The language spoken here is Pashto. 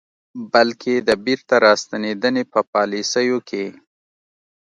بلکې د بیرته راستنېدنې په پالیسیو کې